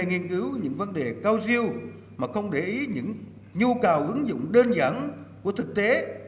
chúng ta mãi mê nghiên cứu những vấn đề cao siêu mà không để ý những nhu cầu ứng dụng đơn giản của thực tế